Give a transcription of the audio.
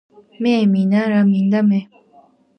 მე მინა რა მინდა მე